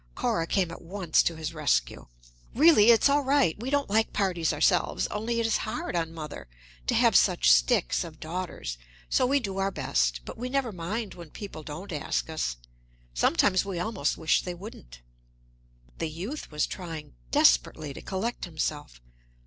Cora came at once to his rescue. "Really, it's all right. We don't like parties, ourselves; only it is hard on mother to have such sticks of daughters, so we do our best. But we never mind when people don't ask us. Sometimes we almost wish they wouldn't." The youth was trying desperately to collect himself.